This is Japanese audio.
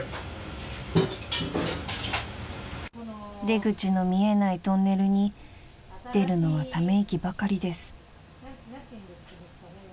［出口の見えないトンネルに出るのはため息ばかりです］